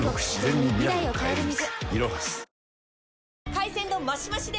海鮮丼マシマシで！